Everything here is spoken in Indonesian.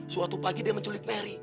suatu pagi dia menculik mary